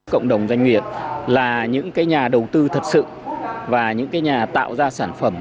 cộng đồng doanh nghiệp là những nhà đầu tư thật sự và những nhà tạo ra sản phẩm